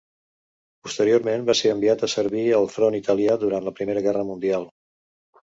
Posteriorment, va ser enviat a servir al front italià durant la Primera Guerra Mundial.